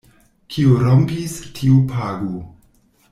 Kiu rompis, tiu pagu.